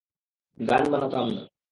গান বানাতাম না।